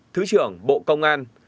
thứ trưởng bộ công an